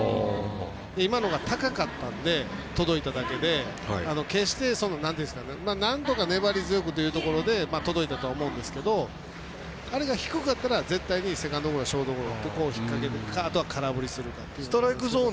今のが高かったんで届いただけで決してなんとか粘り強くというところで届いたと思うんですけどあれが低かったら絶対にセカンドゴロ、ショートゴロとか引っ掛けるかあとは空振りするか。